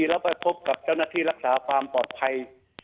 แล้วไปพบกับเจ้าหน้าที่รักษาความปลอดภัย